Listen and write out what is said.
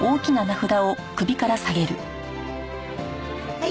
はい。